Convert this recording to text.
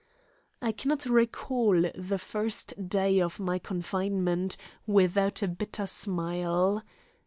I cannot recall the first day of my confinement without a bitter smile.